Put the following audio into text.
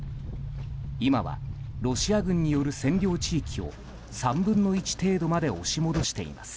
今はロシア軍による占領地域を３分の１程度まで押し戻しています。